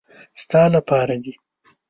ستا له پاره دي .